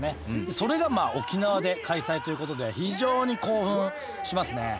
それがまあ沖縄で開催ということで非常に興奮しますね。